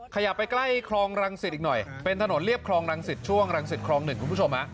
ขยับไปใกล้คลองรังสิตอีกหน่อยเป็นถนนเรียบคลองรังสิตช่วงรังสิตคลอง๑คุณผู้ชม